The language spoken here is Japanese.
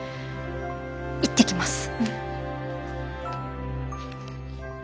行ってきます。